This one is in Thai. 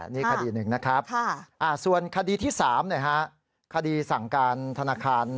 นี่คดีหนึ่งนะครับส่วนคดีที่๓คดีสั่งการธนาคาร